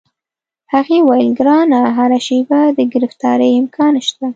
هغې وویل: ګرانه، هره شیبه د ګرفتارۍ امکان شته.